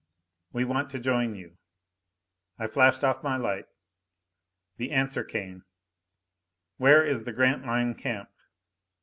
We want to join you._ I flashed off my light. The answer came: _Where is the Grantline Camp?